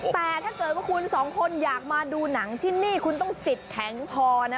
แต่ถ้าเกิดว่าคุณสองคนอยากมาดูหนังที่นี่คุณต้องจิตแข็งพอนะ